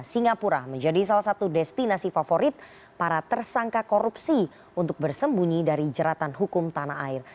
singapura menjadi salah satu destinasi favorit para tersangka korupsi untuk bersembunyi dari jeratan hukum tanah air